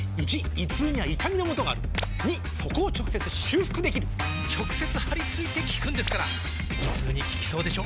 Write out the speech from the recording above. ①胃痛には痛みのもとがある②そこを直接修復できる直接貼り付いて効くんですから胃痛に効きそうでしょ？